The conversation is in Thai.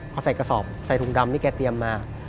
พอใส่กระสอบใส่ถุงดำที่แกเตรียมมา